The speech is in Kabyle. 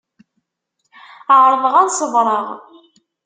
Ԑerḍeɣ ad ṣebreɣ.